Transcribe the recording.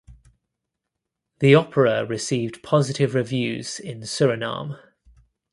The opera received positive reviews in Suriname.